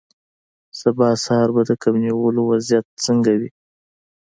سبا سهار به د کب نیولو وضعیت څنګه وي